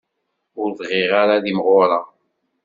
Ur bɣiɣ ara ad imɣuṛeɣ.